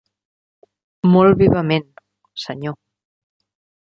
Molt vivament, senyor.